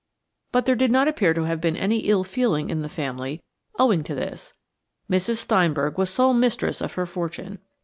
But there did not appeal to have been any ill feeling in the family owing to this. Mrs. Steinberg was sole mistress of her fortune.